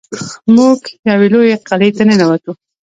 موږ یوې لویې قلعې ته ننوتو.